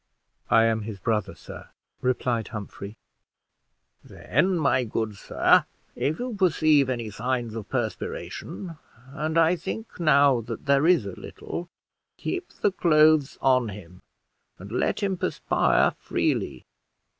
"I am his brother, sir," replied Humphrey. "Then, my good sir, if you perceive any signs of perspiration and I think now that there is a little keep the clothes on him and let him perspire freely.